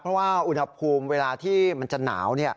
เพราะว่าอุณหภูมิเวลาที่มันจะหนาว